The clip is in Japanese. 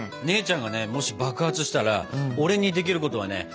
姉ちゃんがねもし爆発したら俺にできることはね